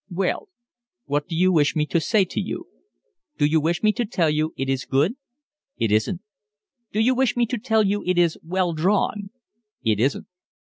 "Well, what do you wish me to say to you? Do you wish me to tell you it is good? It isn't. Do you wish me to tell you it is well drawn? It isn't.